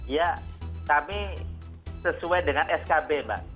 ya kami sesuai dengan skb mbak